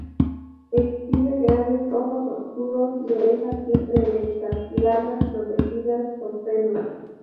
Exhibe grandes ojos oscuros y orejas siempre erectas, largas, protegidas por pelos.